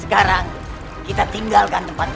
sekarang kita tinggalkan tempat